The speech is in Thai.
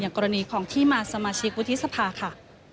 กรณีของที่มาสมาชิกวุฒิสภาค่ะ